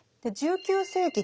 １９世紀